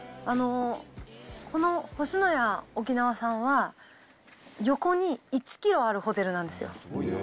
この星のや沖縄さんは、横に１キロあるホテルなんですよ。